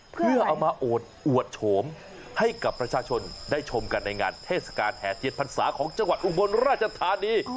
เพื่อเอามาโอดอวดโฉมให้กับประชาชนได้ชมกันในงานเทศกาลแห่เทียนพรรษาของจังหวัดอุบลราชธานี